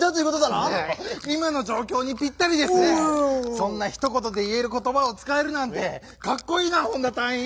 そんなひとことでいえることばをつかえるなんてかっこいいなホンダたいいんは！